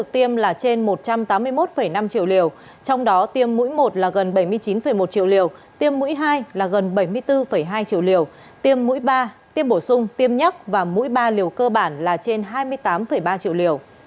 tiêm mũi hai là gần bảy mươi bốn hai triệu liều tiêm mũi ba tiêm bổ sung tiêm nhắc và mũi ba liều cơ bản là trên hai mươi tám ba triệu liều